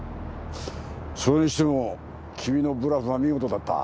それにしても君のブラフは見事だった。